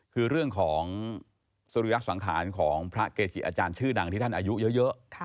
คือเรื่องของสุริยสังขารของพระเกจิอาจารย์ชื่อดังที่ท่านอายุเยอะ